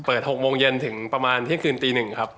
เปิด๖โมงเย็นถึงประมาณเที่ยงคืนตีหนึ่งครับ